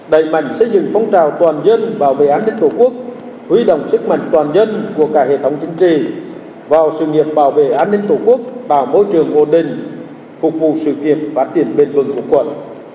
đẩy mạnh xây dựng phong trào toàn dân bảo vệ an ninh tổ quốc huy động sức mạnh toàn dân của cả hệ thống chính trị vào sự nghiệp bảo vệ an ninh tổ quốc